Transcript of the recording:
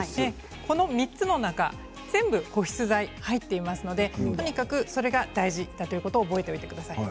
この３つの中全部、保湿剤入っていますのでとにかくそれが大事だということを覚えておいてください。